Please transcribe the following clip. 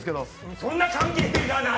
そんな関係性じゃない。